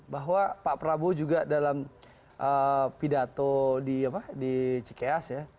bahwa pak prabowo juga dalam pidato di cikeas ya